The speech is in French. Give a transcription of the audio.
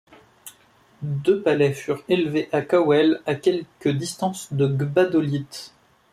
Deux palais furent élevés à Kawele, à quelque distance de Gbadolite.